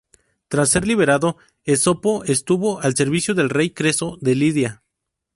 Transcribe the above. Tras ser liberado, Esopo estuvo al servicio del rey Creso de Lidia.